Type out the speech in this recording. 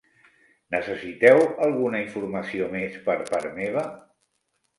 Necessiteu alguna informació més per part meva?